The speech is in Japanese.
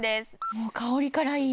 もう香りからいい。